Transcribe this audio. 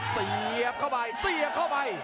เสียบเข้าไปเสียบเข้าไป